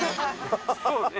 そうね。